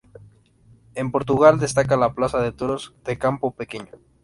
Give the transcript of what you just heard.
En Portugal destaca la Plaza de Toros de Campo Pequeño.